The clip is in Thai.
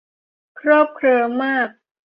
เคลิบเคลิ้มมาก